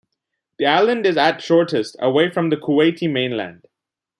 The island is at shortest, away from the Kuwaiti mainland.